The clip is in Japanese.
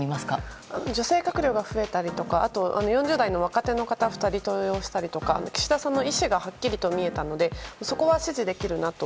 女性閣僚が増えたりとかあと、４０代の若手の方を２人登用したりとか岸田さんの意思がはっきりと見えたのでそこは支持できるなと。